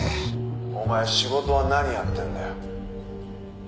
「お前仕事は何やってるんだよ？」